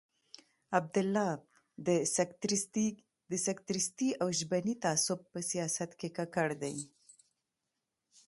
عبدالله د سکتریستي او ژبني تعصب په سیاست کې ککړ دی.